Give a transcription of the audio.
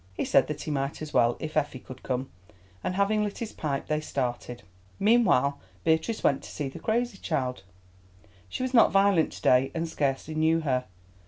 He said that he might as well, if Effie could come, and, having lit his pipe, they started. Meanwhile Beatrice went to see the crazy child. She was not violent to day, and scarcely knew her.